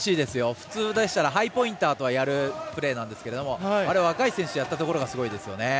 普通でしたらハイポインターとやるプレーなんですがあれを若い選手がやったところがすごいですね。